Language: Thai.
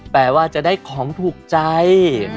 แปลว่าจะได้ของถูกใจ